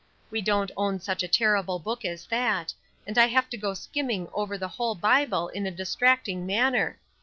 We don't own such a terrible book as that, and I have to go skimming over the whole Bible in a distracting manner.